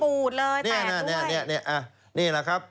ปูดเลยแตกด้วยเนี้ยเนี้ยเนี้ยเนี้ยอ่ะนี่แหละครับ